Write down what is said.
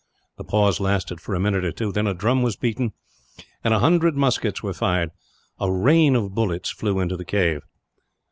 The pause lasted for a minute or two. Then a drum was beaten, and a hundred muskets were fired. A rain of bullets flew into the cave.